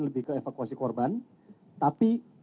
lebih ke evakuasi korban tapi